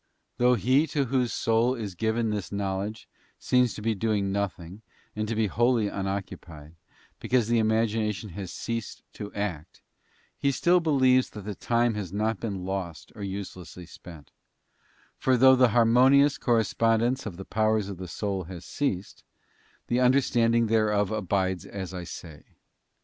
Though he to whose soul is given this knowledge seems to be doing nothing and to be wholly unoccupied, because*the imagination has ceased to act, he still believes that the time has not been lost or uselessly spent: for though the harmonious correspondence of the powers of the soul has ceased, the understanding thereof abides as I say.